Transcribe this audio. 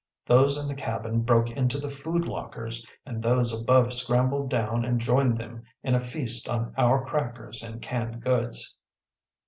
Those in the cabin broke into the food lockers, and those above scrambled down and joined them in a feast on our crackers and canned goods.